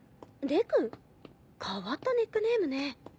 変わったニックネームね。